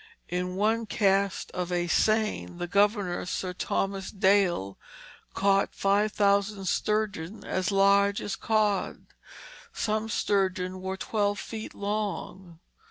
In one cast of a seine the governor, Sir Thomas Dale, caught five thousand sturgeon as large as cod. Some sturgeon were twelve feet long.